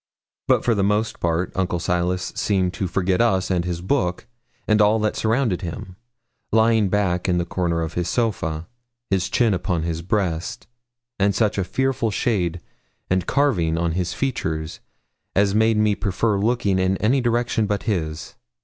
But for the most part Uncle Silas seemed to forget us and his book, and all that surrounded him, lying back in the corner of his sofa, his chin upon his breast, and such a fearful shade and carving on his features as made me prefer looking in any direction but his.